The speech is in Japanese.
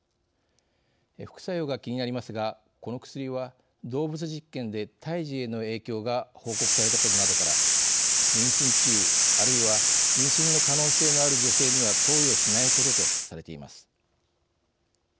副作用が気になりますがこの薬は動物実験で胎児への影響が報告されたことなどから妊娠中あるいは妊娠の可能性のある女性には投与しないこととされています。